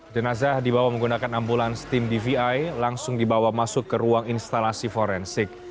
jenazah dibawa menggunakan ambulans tim dvi langsung dibawa masuk ke ruang instalasi forensik